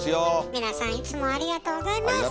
皆さんいつもありがとうございます。